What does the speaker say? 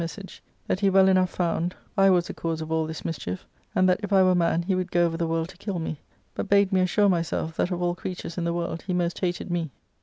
message, that he well enough found I was the cause of all this mischief, and that if I were a man he would go over the world to kill me; but bade me assure myself that of all creatures in the world he most hated me.